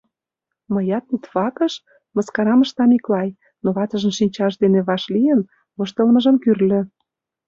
— Мыят литфакыш? — мыскарам ышта Миклай, но ватыжын шинчаж дене ваш лийын, воштылмыжым кӱрльӧ.